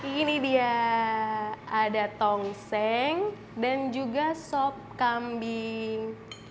ini dia ada tongseng dan juga sop kambing